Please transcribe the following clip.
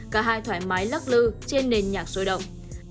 cả hai thoải mái lắc lư trên nền nhạc sôi động